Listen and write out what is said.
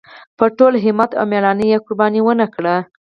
په ټول همت او مېړانۍ یې قرباني ونکړه.